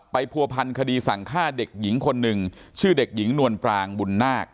ผัวพันคดีสั่งฆ่าเด็กหญิงคนหนึ่งชื่อเด็กหญิงนวลปรางบุญนาค